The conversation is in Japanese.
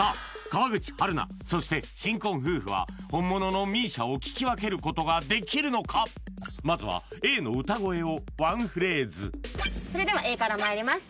川口春奈そして新婚夫婦は本物のＭＩＳＩＡを聴き分けることができるのかまずはＡの歌声をワンフレーズそれではＡからまいります